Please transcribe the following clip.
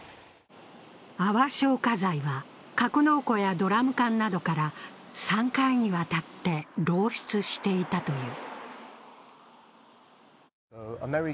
泡消火剤は格納庫やドラム缶などから３回にわたって漏出していたという。